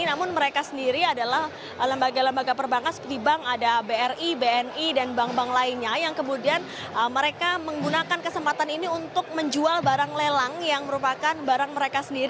namun mereka sendiri adalah lembaga lembaga perbankan seperti bank ada bri bni dan bank bank lainnya yang kemudian mereka menggunakan kesempatan ini untuk menjual barang lelang yang merupakan barang mereka sendiri